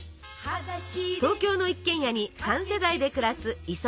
東京の一軒家に３世代で暮らす磯野家。